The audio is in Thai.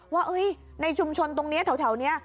ว่าในชุมชนตรงนี้แถวนี้